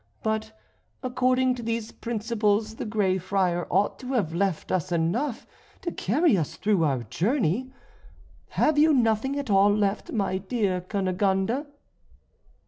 But according to these principles the Grey Friar ought to have left us enough to carry us through our journey. Have you nothing at all left, my dear Cunegonde?"